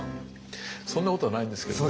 そんなことはないんですけれども。